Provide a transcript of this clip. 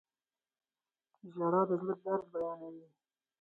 • ژړا د زړه درد بیانوي.